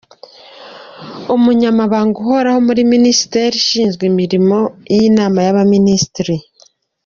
Umunyamabanga Uhoraho muri Minisiteri Ishinzwe Imirimo y’Inama y’Abaminisitiri.